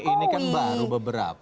ini kan baru beberapa